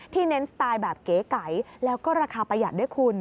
เน้นสไตล์แบบเก๋ไก่แล้วก็ราคาประหยัดด้วยคุณ